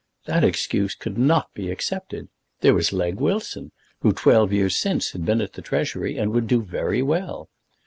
That excuse could not be accepted. There was Legge Wilson, who twelve years since had been at the Treasury, and would do very well.